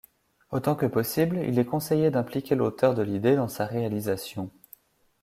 Autant que possible, il est conseillé d’impliquer l’auteur de l’idée dans sa réalisation.